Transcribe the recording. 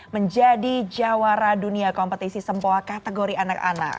menjadi jawara dunia kompetisi sempoa kategori anak anak